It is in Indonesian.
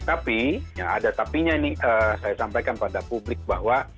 tapi yang ada tapi nya ini saya sampaikan pada publik bahwa